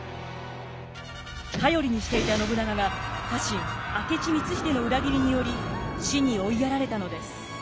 頼りにしていた信長が家臣明智光秀の裏切りにより死に追いやられたのです。